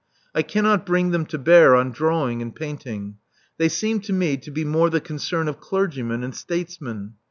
I cannot bring them to bear on drawing and painting: they seem to me to be more the con cern of clergymen and statesmen.